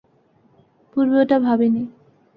পূর্বে ওটা ভাবি নি।